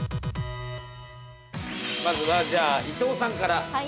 ◆まずは、じゃあ伊藤さんから。